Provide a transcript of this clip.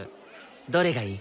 どれがいい？